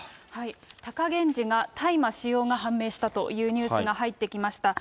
貴源治が大麻使用が判明したというニュースが入ってきました。